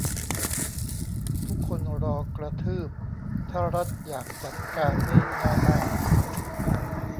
ทุกคนรอกระทืบ ถ้ารัฐอยากจัดการนี่ง่ายมาก